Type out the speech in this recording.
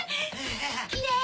きれい！